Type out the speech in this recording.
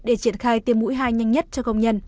để triển khai tiêm mũi hai nhanh nhất cho công nhân